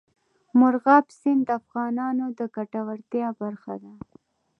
مورغاب سیند د افغانانو د ګټورتیا برخه ده.